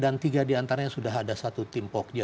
dan tiga di antaranya sudah ada satu tim pogja